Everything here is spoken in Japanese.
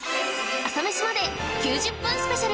『朝メシまで。』９０分スペシャル